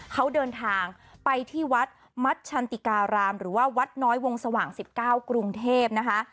เขาเดินทางไปที่วัดมัชชันติการามหรือว่าวัดน้อยวงสว่าง๑๙กรุงเทพนะคะ